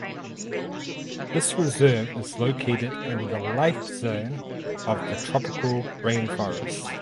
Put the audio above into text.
This reserve is located in the life zone of the tropical rainforest.